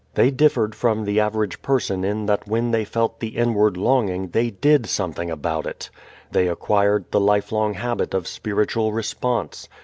They differed from the average person in that when they felt the inward longing they did something about it. They acquired the lifelong habit of spiritual response.